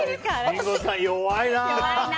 リンゴさん、弱いな。